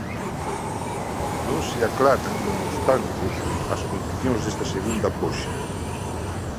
Non se aclaran, non obstante, as condicións desta segunda poxa.